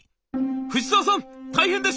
「藤沢さん大変です！